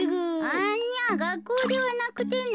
いやがっこうではなくてね